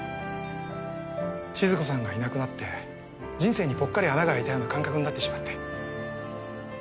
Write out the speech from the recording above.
千鶴子さんがいなくなって人生にぽっかり穴があいたような感覚になってしまって。